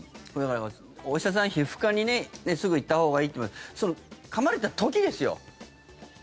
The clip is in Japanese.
お医者さん、皮膚科にすぐ行ったほうがいいってその、かまれた時ですよ。